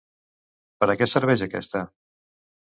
Per a què serveix aquesta?